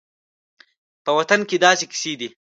په وطن کې دا کیسې دي